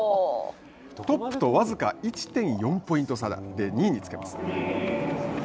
トップと僅か１点４ポイント差で２位につけます。